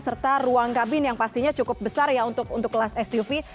serta ruang kabin yang pastinya cukup besar ya untuk kelas suv